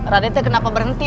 raden kenapa berhenti